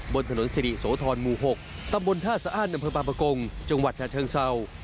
บนถนนสิริโสธรหมู่๖ตำบลท่าสะอ้านอำเภอบางประกงจังหวัดชาเชิงเศร้า